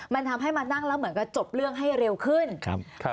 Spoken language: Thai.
มันทำให้มานั่งแล้วเหมือนกับจบเรื่องให้เร็วขึ้นครับ